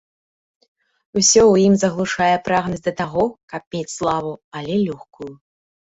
Усё ў ім заглушае прагнасць да таго, каб мець славу, але лёгкую.